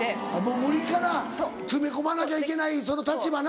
無理から詰め込まなきゃいけないその立場な。